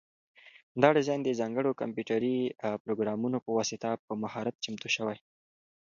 دا ډیزاین د ځانګړو کمپیوټري پروګرامونو په واسطه په مهارت چمتو شوی.